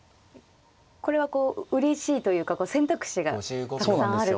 これはうれしいというか選択肢がたくさんあるという。